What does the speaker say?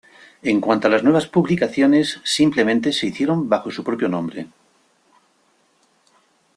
En cuanto a las nuevas publicaciones, simplemente se hicieron bajo su propio nombre.